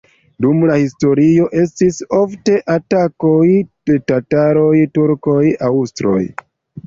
Dum la historio estis ofte atakoj de tataroj, turkoj, aŭstroj.